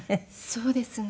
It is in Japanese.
そうですね。